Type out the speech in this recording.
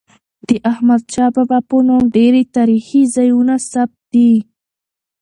د احمدشاه بابا په نوم ډیري تاریخي ځایونه ثبت دي.